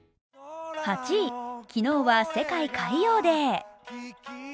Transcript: ８位、昨日は世界海洋デー。